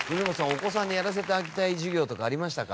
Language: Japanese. お子さんにやらせてあげたい授業とかありましたか？